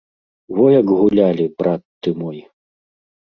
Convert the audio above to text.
Во як гулялі, брат ты мой!